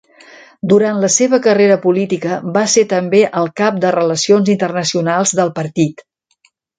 Durant la seva carrera política, va ser també el cap de Relacions Internacionals del partit.